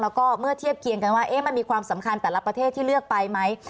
แล้วก็เมื่อเทียบเคียงกันว่ามันมีความสำคัญแต่ละประเทศที่เลือกไปไหม